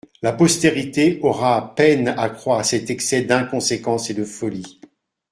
La postérité aura peine à croire à cet excès d'inconséquence et de folie.